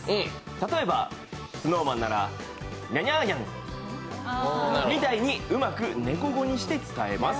例えば、ＳｎｏｗＭａｎならニャニャーニャンみたいにうまく猫語にして伝えます。